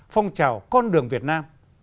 phong trào con đường việt nam